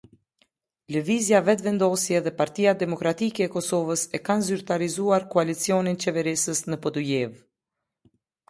Lëvizja Vetëvendosje dhe Partia Demokratike e Kosovës e kanë zyrtarizuar koalicionin qeverisës në Podujevë.